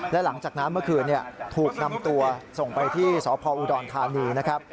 และหลังจากนั้นเมื่อคืนถูกนำตัวส่งไปที่สพอุดรธานีนะครับ